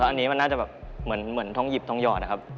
อันนี้มันน่าจะแบบเหมือนทองหยิบทองหยอดนะครับ